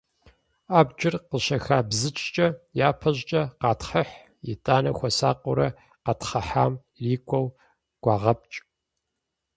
Абджыр къыщыхабзыкӏкӏэ, япэ щӏыкӏэ къатхъыхь, итӏанэ хуэсакъыурэ къэтхъыхьам ирикӏуэу гуагъэпкӏ.